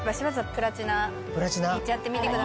プラチナいっちゃってみてくださいよ。